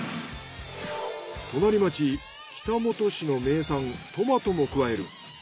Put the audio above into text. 隣町北本市の名産トマトも加える。